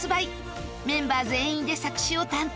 メンバー全員で作詞を担当